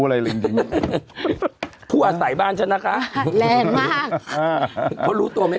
บ้านของจั๊ดปูย่าของจั๊กก่อนตาย